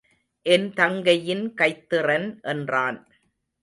என் தங்கையின் கைத்திறன் என்றான்.